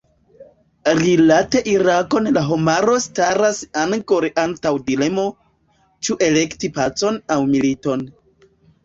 Rilate Irakon la homaro staras angore antaŭ dilemo, ĉu elekti pacon aŭ militon.